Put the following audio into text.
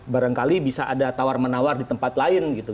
barangkali bisa ada tawar menawar di tempat lain gitu